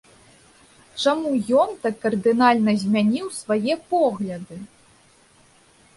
Чаму ён так кардынальна змяніў свае погляды?